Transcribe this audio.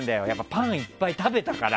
パンいっぱい食べたから。